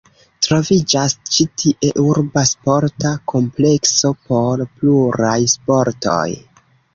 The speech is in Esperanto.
Troviĝas ĉi tie urba sporta komplekso por pluraj sportoj.